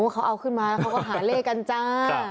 เขาเอาขึ้นมาแล้วเขาก็หาเลขกันจ้า